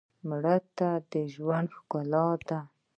مړه ته د ژوند ښکلا ده